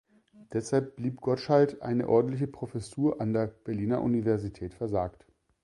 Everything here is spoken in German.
Deshalb blieb Gottschaldt eine ordentliche Professur an der Berliner Universität versagt.